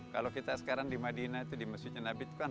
kalau kita sekarang di madinah itu di masjidnya nabi itu kan